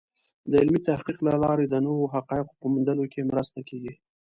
د علمي تحقیق له لارې د نوو حقایقو په موندلو کې مرسته کېږي.